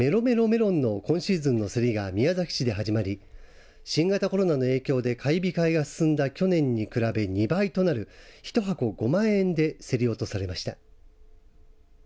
メロンの今シーズンの競りが宮崎市で始まり新型コロナの影響で買い控えが進んだ去年に比べ２倍となる１箱５万円で競り落とされました。